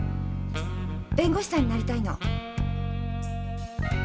弁護士さんになりたいの。